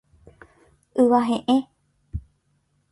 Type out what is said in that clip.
Yva he'ẽ.